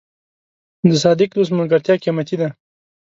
د صادق دوست ملګرتیا قیمتي ده.